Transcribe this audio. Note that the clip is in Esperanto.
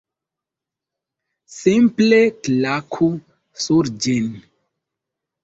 Simple klaku sur ĝin